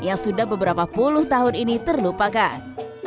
yang sudah beberapa puluh tahun ini terlupakan